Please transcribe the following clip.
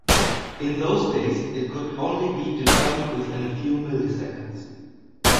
In those days it could only be determined within a few milliseconds.